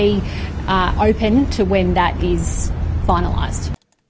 saat penyelidikan itu terakhir